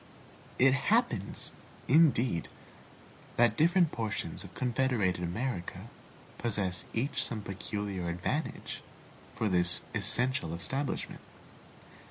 It happens, indeed, that different portions of confederated America possess each some peculiar advantage for this essential establishment.